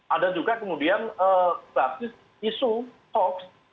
ada juga kemudian basis isu hoax